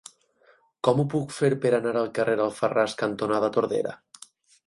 Com ho puc fer per anar al carrer Alfarràs cantonada Tordera?